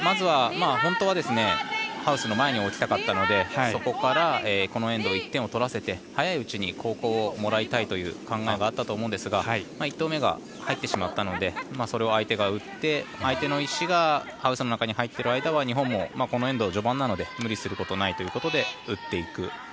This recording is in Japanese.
本当はまずはハウスの前に置きたかったのでそこからこのエンド１点を取らせて早いうちに後攻をもらいたいという考えがあったと思うんですが１投目が入ってしまったのでそれを相手が打って相手の石がハウスの中に入ってきたら日本もこのエンド序盤なので無理することないということで打っていく。